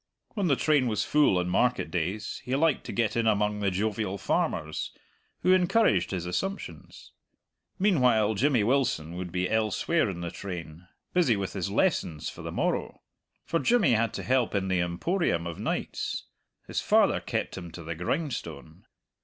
When the train was full on market days he liked to get in among the jovial farmers, who encouraged his assumptions. Meanwhile Jimmy Wilson would be elsewhere in the train, busy with his lessons for the morrow; for Jimmy had to help in the Emporium of nights his father kept him to the grindstone.